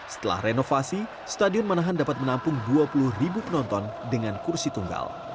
setelah renovasi stadion manahan dapat menampung dua puluh ribu penonton dengan kursi tunggal